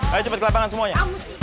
ayo cepat ke lapangan semuanya